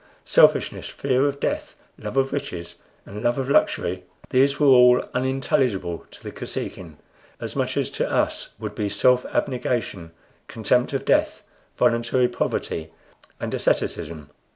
Selfishness, fear of death, love of riches, and love of luxury, these were all unintelligible to the Kosekin, as much as to us would be self abnegation, contempt of death, voluntary poverty, and asceticism.